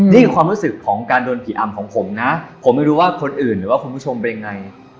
นี่คือความรู้สึกของการโดนผีอำของผมนะผมไม่รู้ว่าคนอื่นหรือว่าคุณผู้ชมเป็นยังไง